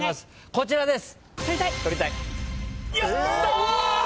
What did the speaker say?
こちらです。